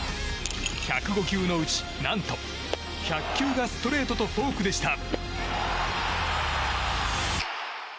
１０５球のうち、何と１００球がストレートとフォークでした。